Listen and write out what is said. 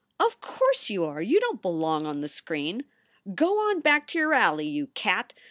" Of course you are. You don t belong on the screen. Go on back to your alley, you cat.